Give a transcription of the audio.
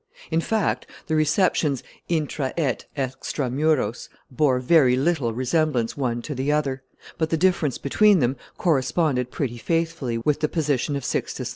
In fact, the receptions intra et, extra muros bore very little resemblance one to the other, but the difference between them corresponded pretty faithfully with the position of Sixtus V.